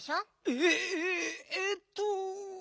えっ？えっと。